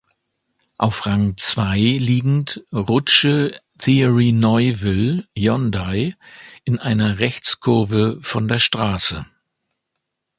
Auf Rang zwei liegend rutsche Thierry Neuville (Hyundai) in einer Rechtskurve von der Straße.